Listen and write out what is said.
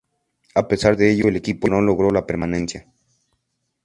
A pesar de ello el equipo no logró la permanencia.